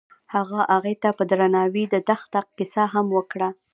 هغه هغې ته په درناوي د دښته کیسه هم وکړه.